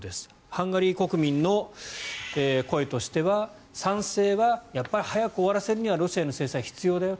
ハンガリー国民の声としては賛成はやっぱり早く終わるにはロシアへの制裁が必要だよ